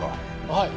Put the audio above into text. はい。